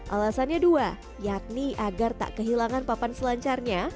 alasannya dua yakni agar tak kehilangan papan selancarnya